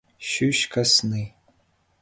Ҫӳҫ касни.